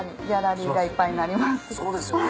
そうですよね